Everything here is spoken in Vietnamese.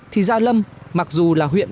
thì gia lâm mặc dù là huyện